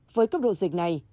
với cấp độ dịch này